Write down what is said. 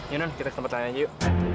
yunun kita ke tempat lain aja yuk